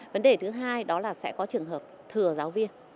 vấn đề thứ hai đó là sẽ có trường hợp thừa giáo viên